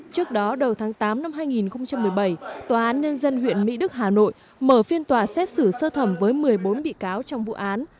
trước đó đầu tháng tám năm hai nghìn một mươi bảy tòa án nhân dân huyện mỹ đức hà nội mở phiên tòa xét xử sơ thẩm với một mươi bốn bị cáo trong vụ án